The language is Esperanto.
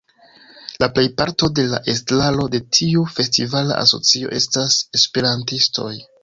La plejparto de la estraro de tiu festivala asocio estas Esperantistoj.